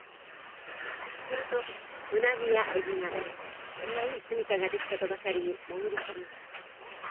するとウナギやエビがこれはいい住みかが出来たとばかりに潜り込みます。